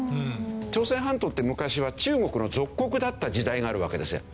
朝鮮半島って昔は中国の属国だった時代があるわけですよ。